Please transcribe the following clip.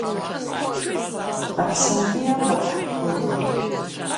Аԥсынгьы иахәап ҳәа ҳгәыӷуеит.